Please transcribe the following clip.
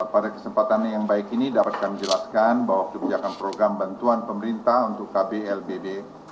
pada kesempatan yang baik ini dapat kami jelaskan bahwa kebijakan program bantuan pemerintah untuk kblbb